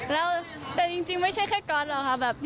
แล้วแต่จริงไม่ใช่แค่ก๊อตหรอกค่ะ